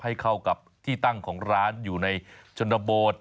ให้เข้ากับที่ตั้งของร้านอยู่ในชนบท